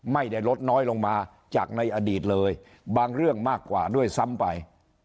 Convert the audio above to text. ไม่ได้ลดน้อยลงมาจากในอดีตเลยบางเรื่องมากกว่าด้วยซ้ำไป